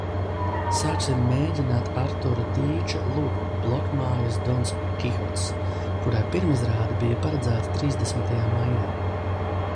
Sāksim mēģināt Artura Dīča lugu "Blokmājas dons Kihots", kurai pirmizrāde bija paredzēta trīsdesmitajā maijā.